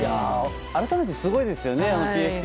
改めてすごいですね。